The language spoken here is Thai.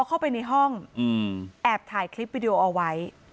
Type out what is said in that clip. เข้าไปในห้องแอบถ่ายคลิปวิดีโอเอาไว้